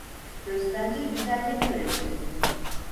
Köstence Güzellik Kraliçesi.